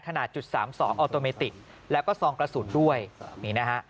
ขนาดจุดสามสองออโตเมติกแล้วก็ซองกระสุนด้วยนี่นะฮะ